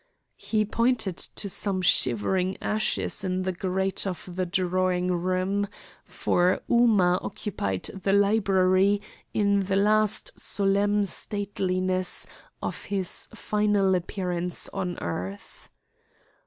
He pointed to some shivering ashes in the grate of the drawing room, for Ooma occupied the library in the last solemn stateliness of his final appearance on earth.